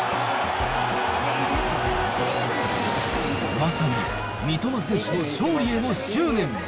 まさに、三笘選手の勝利への執念。